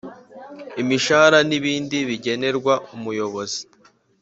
Imishahara n ibindi bigenerwa Umuyobozi